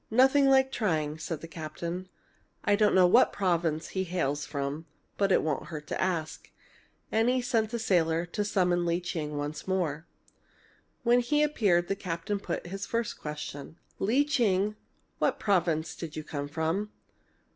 "Nothing like trying," said the captain. "I don't know what province he hails from, but it won't hurt to ask." And he sent a sailor to summon Lee Ching once more. When he appeared the captain put his first question: "Lee Ching, what province did you come from?"